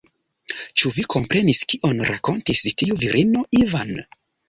Ĉu vi komprenis, kion rakontis tiu virino, Ivan?